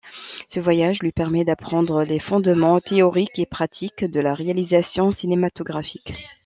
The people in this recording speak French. Ce voyage lui permet d’apprendre les fondements théoriques et pratiques de la réalisation cinématographique.